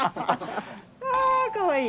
ああかわいい。